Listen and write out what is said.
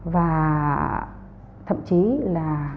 và thậm chí là